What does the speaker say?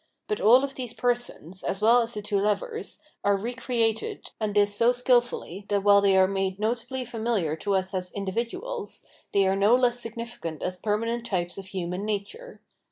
But all of these persons, as well as the two lovers, are recreated, and this so skillfully that while they are made notably familiar to us as individuals, they are no less significant as permanent types of human nature.